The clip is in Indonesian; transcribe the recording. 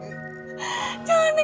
kenapa begini aaaa